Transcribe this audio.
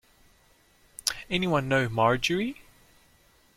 Anyone know Marjorie?